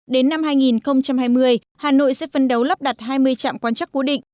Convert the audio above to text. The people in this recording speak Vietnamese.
đến năm hai nghìn hai mươi hà nội sẽ phân đấu lắp đặt hai mươi trạm quan chắc cố định